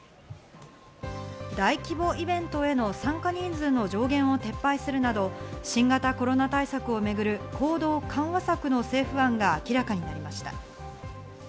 大規模イベントへの参加人数の上限を撤廃するなど、新型コロナ対策をめぐる行動緩和策の政府案が明らかになりました。